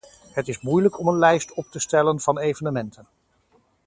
Het is moeilijk om een lijst op te stellen van evenementen.